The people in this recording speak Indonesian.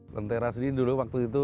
tentera sendiri dulu waktu itu